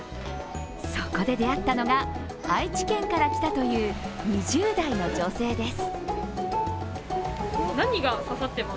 そこで出会ったのが愛知県から来たという２０代の女性です。